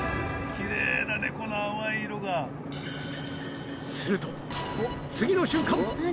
キレイだねこの淡い色がすると次の瞬間！